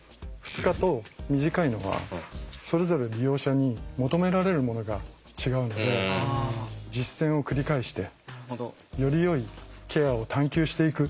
２日と短いのはそれぞれ利用者に求められるものが違うので実践を繰り返してよりよいケアを探求していく。